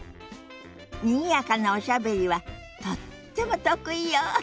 にぎやかなおしゃべりはとっても得意よ！